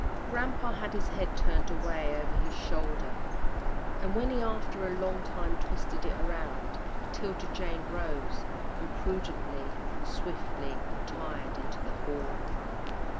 Grampa had his head turned away over his shoulder, and when he after a long time twisted it around, 'Tilda Jane rose, and prudently and swiftly retired into the hall.